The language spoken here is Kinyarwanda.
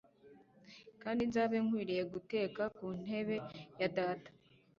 kandi nzabe nkwiriye guteka ku ntebe ya data